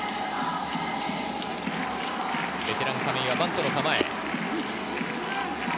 ベテラン亀井はバントの構え。